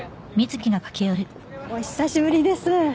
お久しぶりです